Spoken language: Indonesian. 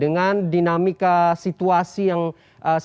dengan dinamika situasi yang seperti ini